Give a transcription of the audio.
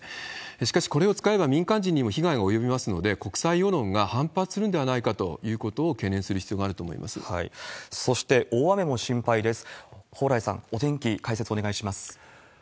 しかし、これを使えば民間人にも被害が及びますので、国際世論が反発するんではないかということそして、大雨も心配です。